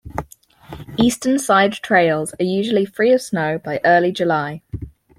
Eastern-side trails are usually free of snow by early July.